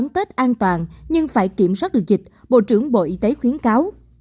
tết an toàn nhưng phải kiểm soát được dịch bộ trưởng bộ y tế khuyến cáo